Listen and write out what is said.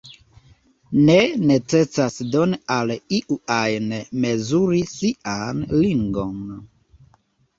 Ne necesas doni al iu ajn mezuri sian ringon.